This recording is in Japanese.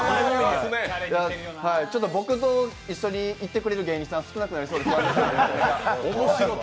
僕と一緒に行ってくれる芸人さん少なくなりそうです。